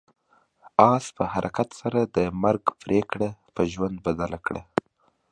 آس په خپل حرکت سره د مرګ پرېکړه په ژوند بدله کړه.